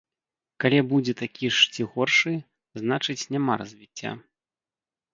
Калі будзе такі ж ці горшы, значыць няма развіцця.